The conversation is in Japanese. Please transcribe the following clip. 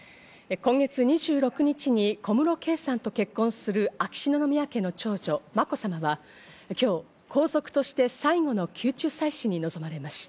今月２６日に小室圭さんと結婚する秋篠宮家の長女・まこさまは今日、皇族として最後の宮中祭祀に臨まれました。